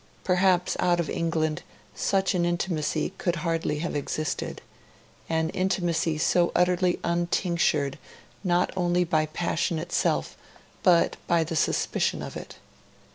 Perhaps out of England such an intimacy could hardly have existed an intimacy so utterly untinctured not only by passion itself but by the suspicion of it.